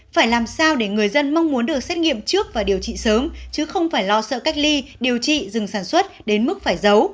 phải làm sao để người dân mong muốn được xét nghiệm trước và điều trị sớm chứ không phải lo sợ cách ly điều trị dừng sản xuất đến mức phải giấu